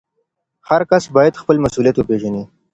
هر کس باید خپل مسؤلیت وپېژني.